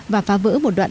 và phá vỡ một đoạn